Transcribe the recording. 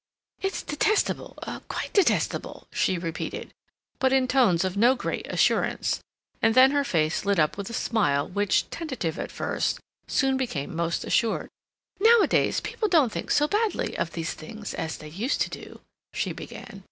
"It's detestable—quite detestable!" she repeated, but in tones of no great assurance; and then her face lit up with a smile which, tentative at first, soon became almost assured. "Nowadays, people don't think so badly of these things as they used to do," she began.